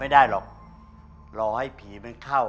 ได้ครับ